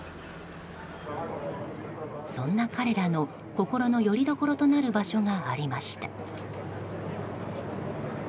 そんな彼らの心のよりどころとなる場所がありました。